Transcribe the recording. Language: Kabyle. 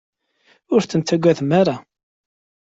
Ur ten-tettagadem ara.